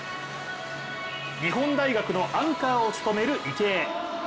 日本大学のアンカーを務める池江。